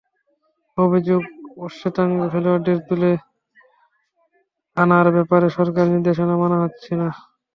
অভিযোগ, অশ্বেতাঙ্গ খেলোয়াড়দের তুলে আনার ব্যাপারে সরকারি নির্দেশনা মানা হচ্ছে না।